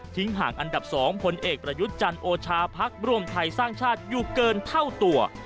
ทิ้งห่างอันดับสองผลเอกประยุจจันโอชาภักดิ์ร่วมไทยสร้างชาติอยู่เกินเท่าตัว